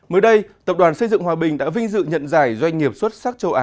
mới đây tập đoàn xây dựng hòa bình đã vinh dự nhận giải doanh nghiệp xuất sắc châu á